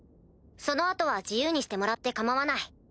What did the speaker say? その後は自由にしてもらって構わない。